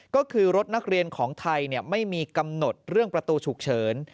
ก็คือรถนักเรียนของไทยไม่มีกำหนดเรื่องประตูฉุกเฉิน